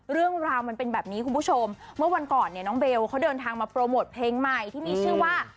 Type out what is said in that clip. เรื่องราวมันเป็นแบบนี้คุณผู้ชมเมื่อวันก่อนเนี่ยน้องเบลเขาเดินทางมาโปรโมทเพลงใหม่ที่มีชื่อว่า